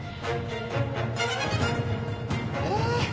ああ